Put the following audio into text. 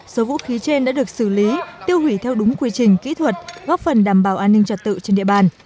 số vũ khí trên đã được xử lý tiêu hủy theo đúng quy trình kỹ thuật góp phần đảm bảo an ninh trật tự trên địa bàn